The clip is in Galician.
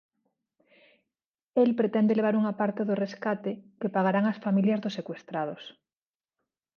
El pretende levar unha parte do rescate que pagarán as familias dos secuestrados.